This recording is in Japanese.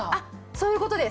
そういうことです